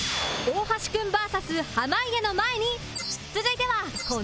大橋君 ＶＳ 濱家の前に続いてはこの男も襲撃